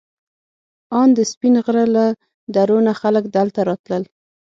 ان د سپین غر له درو نه خلک دلته راتلل.